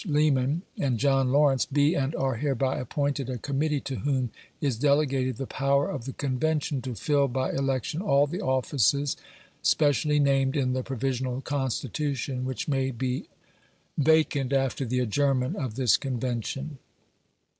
Leeman and John Lawrence be and are hereby appointed a Committee to whom is delegated the power of the Convention to fill by election all the offices specially named in the Provisional Constitution which may bo vacant after the adjournment of this Convention.